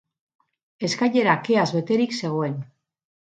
Eskailera keaz beterik zegoen.